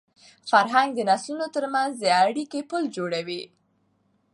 فرهنګ د نسلونو تر منځ د اړیکي پُل جوړوي.